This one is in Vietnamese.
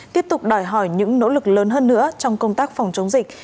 tiếp tục đòi hỏi những nỗ lực lớn hơn nữa trong công tác phòng chống dịch